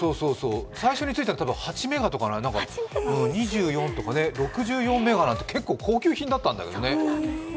最初についたのは８メガとか２４とか６４メガなんて結構高級品だったんだけどね。